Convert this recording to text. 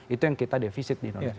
itu yang kita defisit di indonesia